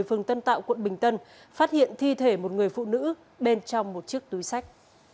phường tân tạo quận bình tân phát hiện thi thể một người phụ nữ bên trong một chiếc túi sách